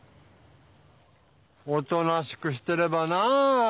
おとなしくしてればなぁ。